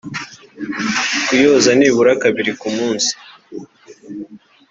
Kuyoza nibura kabiri ku munsi